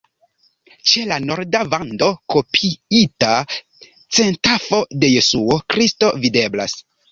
Ĉe la norda vando kopiita centafo de Jesuo Kristo videblas.